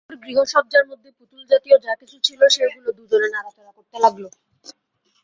ওর গৃহসজ্জার মধ্যে পুতুল-জাতীয় যা-কিছু জিনিস ছিল সেইগুলো দুজনে নাড়াচাড়া করতে লাগল।